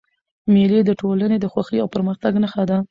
مېلې د ټولني د خوښۍ او پرمختګ نخښه ده.